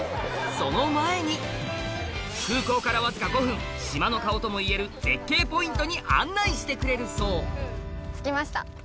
その前に空港からわずか５分島の顔ともいえる絶景ポイントに案内してくれるそう着きました？